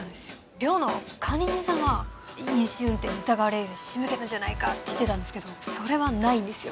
寮の管理人さんは飲酒運転疑われるようにしむけたんじゃないかって言ってたけどそれはないんですよ